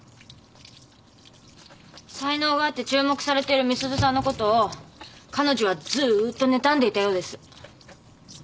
才能があって注目されている美鈴さんのことを彼女はずーっとねたんでいたようです。